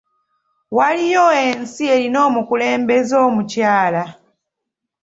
Waliyo ensi erina omukulembeze omukyala.